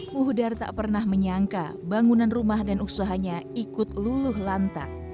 muhdar tak pernah menyangka bangunan rumah dan usahanya ikut luluh lantak